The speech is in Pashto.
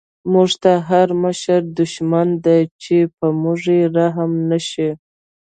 موږ ته هر مشر دشمن دی، چی په موږ یې رحم نه شی